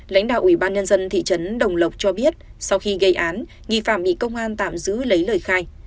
lãnh đạo ủy ban nhân dân thị trấn đồng lộc cho biết sau khi gây án nghi phạm bị công an tạm giữ lấy lời khai